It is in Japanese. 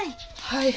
はい。